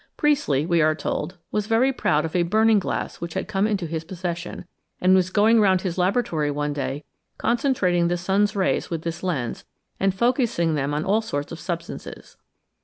Priestley, we are told, was very proud of a burning glass which had come into his possession, and was going round his laboratory one day concentrating the sun's rays with this lens, and focussing them on all sorts of substances.